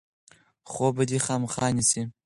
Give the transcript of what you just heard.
خوب به دی خامخا نیسي.